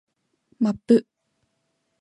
マップ